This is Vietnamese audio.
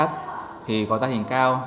thì có da hình cao